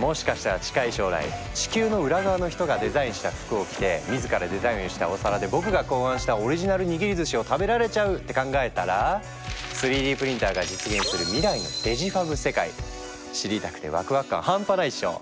もしかしたら近い将来地球の裏側の人がデザインした服を着て自らデザインをしたお皿で僕が考案したオリジナルにぎりずしを食べられちゃうって考えたら３Ｄプリンターが実現する未来のデジファブ世界知りたくてワクワク感半端ないっしょ！